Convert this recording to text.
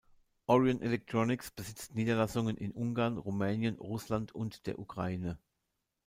Orion Electronics besitzt Niederlassungen in Ungarn, Rumänien, Russland und der Ukraine.